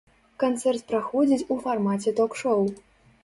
Канцэрт праходзіць у фармаце ток-шоў.